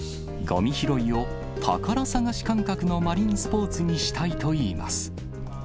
ごみ拾いを宝探し感覚のマリンスポーツにしたいといいます。